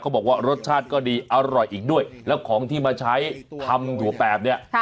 บอกว่ารสชาติก็ดีอร่อยอีกด้วยแล้วของที่มาใช้ทำถั่วแปบเนี่ย